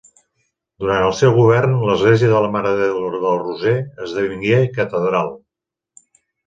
Durant el seu govern, l'església de la Mare de Déu del Roser esdevingué la catedral.